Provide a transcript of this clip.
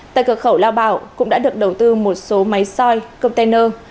tại cửa khẩu lao bảo cũng đã được đầu tư một số máy soi container